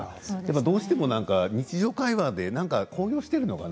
どうしても日常会話で高揚しているのかな